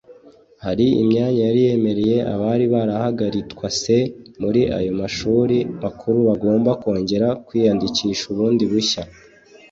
hari imyanya yari yemereye abari barahagaritwse muri ayo mashuri makuru bagomba kongera kwiyandikisha bundi bushya.